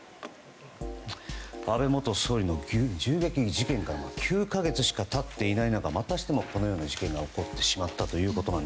安倍元総理の銃撃事件から９か月しか経っていない中またしても、このような事件が起こってしまいました。